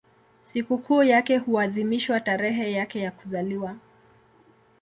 Sikukuu yake huadhimishwa tarehe yake ya kuzaliwa.